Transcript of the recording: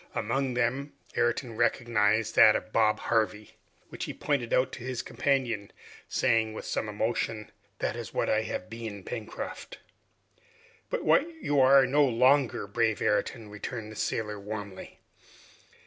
Among them, Ayrton recognized that of Bob Harvey, which he pointed out to his companion, saying with some emotion, "That is what I have been, Pencroft." "But what you are no longer, brave Ayrton!" returned the sailor warmly.